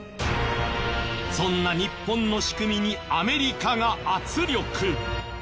そんな日本の仕組みにアメリカが圧力。